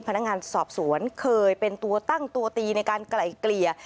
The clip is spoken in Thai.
พนักงานสอบสวนเคยเป็นตัวตั้งตัวตีในการไกล่เกลี่ย